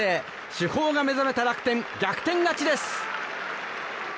主砲が目覚めた楽天逆転勝ちです。